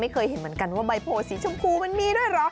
เคยเห็นเหมือนกันว่าใบโพสีชมพูมันมีด้วยเหรอ